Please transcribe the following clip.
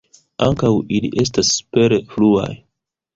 Ankaŭ ili estas superfluaj.